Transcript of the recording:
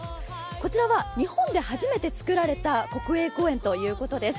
こちらは日本で初めて作られた国営公園ということです。